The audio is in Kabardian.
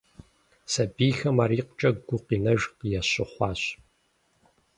Сабийхэм ар икъукӀэ гукъинэж ящыхъуащ.